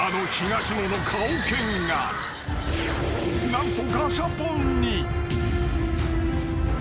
［何と］